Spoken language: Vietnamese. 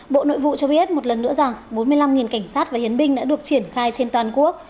bộ nội vụ cho biết một lần nữa rằng bốn mươi năm cảnh sát và hiến binh đã được triển khai trên toàn quốc